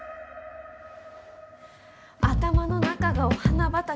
頭の中がお花畑